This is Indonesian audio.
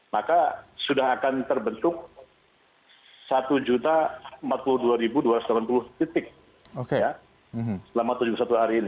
maka sudah akan terbentuk satu empat puluh dua dua ratus delapan puluh titik selama tujuh puluh satu hari ini